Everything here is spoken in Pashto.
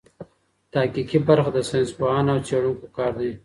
تحقیقي برخه د ساینس پوهانو او څېړونکو کار دئ.